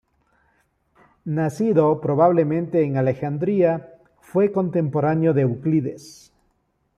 Nacido, probablemente, en Alejandría, fue contemporáneo de Euclides.